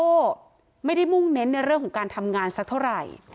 ก็ไม่ได้มุ่งเน้นในเรื่องของการทำงานสักเท่าไหร่